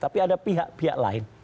tapi ada pihak pihak lain